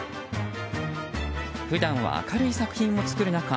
普段は明るい作品を作る中